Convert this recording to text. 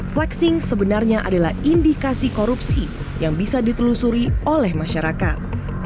flexing sebenarnya adalah indikasi korupsi yang bisa ditelusuri oleh masyarakat